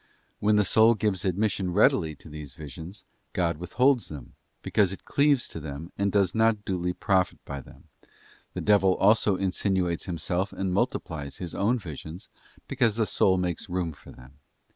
When the soul gives admission readily to these visions God withholds them, because it cleaves to them and does not duly profit by them; the devil also insinuates himself and multiplies his own visions, because the soul makes room for them.